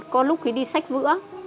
có lúc thì đi sách vữa